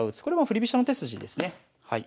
これも振り飛車の手筋ですね。